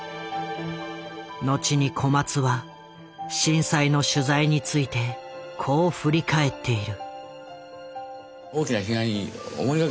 後に小松は震災の取材についてこう振り返っている。